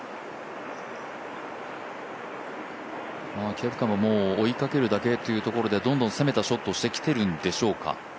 ケプカももう追いかけるだけというところでどんどん攻めたショットをしてきているんでしょうか。